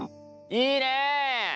いいね！